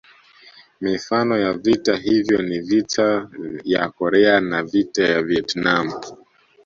Mifano ya vita hivyo ni Vita ya Korea na Vita ya Vietnam